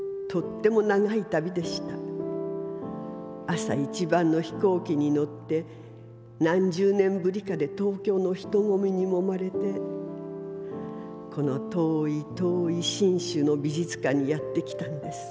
朝一番の飛行機にのって何十年ぶりかで東京の人混みにもまれてこの遠い遠い信州の美術館にやって来たんです。